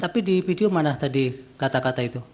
tapi di video mana tadi kata kata itu